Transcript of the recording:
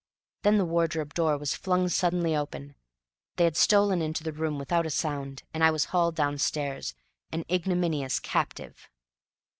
Then the wardrobe door was flung suddenly open; they had stolen into the room without a sound; and I was hauled downstairs, an ignominious captive.